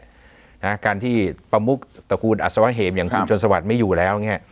นะฮะการที่ประมุกตระกูลอัศวะเหมอย่างคุณจนสวัสดิ์ไม่อยู่แล้วเนี่ย